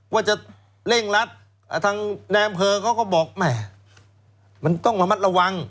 ว่าจะเล่งรัดทางแนมเพิคเขาก็บอกมันต้องมามัดระวัง